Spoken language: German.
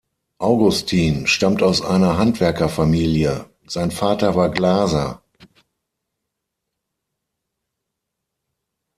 Augustin stammt aus einer Handwerkerfamilie: sein Vater war Glaser.